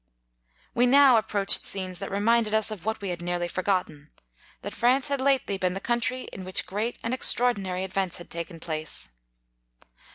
We now approached scenes that re minded us of what we had nearly for gotten, that France had lately been the country in which great and extraordi 19 nary events had taken place.